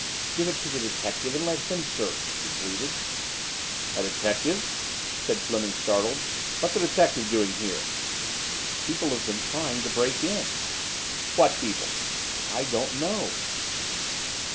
"Give it to the detective and let him search," she pleaded. "A detective?" said Fleming startled. "What's a detective doing here?" "People have been trying to break in." "What people?" "I don't know."